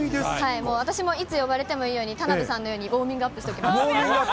もう私もいつ呼ばれてもいいように、田辺さんのようにウォーミングアップしときます。